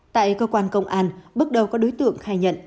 tại cơ quan công an bước đầu các đối tượng khai nhận